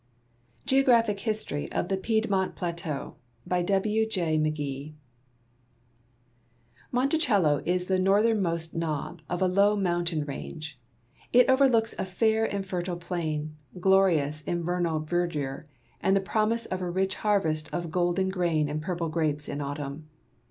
GEOGRAPHIC HISTORY OF THE PIEDMONT PLATEAU By W J McGee Monticello is the northernmost knob of a low mountain ran^e ; it overlooks a fair and fertile plain, glorious in vernal verdure and the promise of a rich harvest of golden grain and purple grapes in autumn.